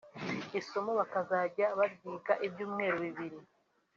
isomo bakazajya baryiga ibyumweru bibiri